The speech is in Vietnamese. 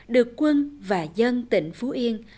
được quân và dân tỉnh phú yên